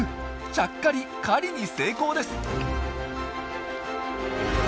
ちゃっかり狩りに成功です！